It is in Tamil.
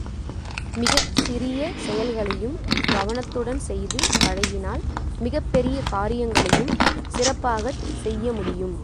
மிகச் சிறிய செயல்களையும் கவனத்துடன் செய்து பழகினால் மிகப்பெரிய காரியங்களையும் சிறப்பாகச் செய்ய முடியும்.